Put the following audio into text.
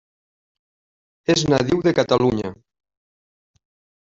És nadiu de Catalunya.